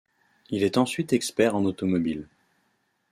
Il est ensuite expert en automobiles.